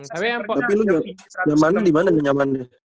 tapi lu nyamannya dimana